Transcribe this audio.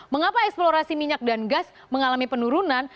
mengapa eksplorasi minyak dan gas mengalami penurunan